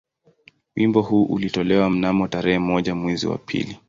Wimbo huu ulitolewa mnamo tarehe moja mwezi wa pili